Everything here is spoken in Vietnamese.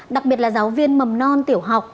đặc biệt là giáo viên mầm non tiểu học